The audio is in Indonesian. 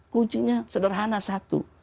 kucinya sederhana satu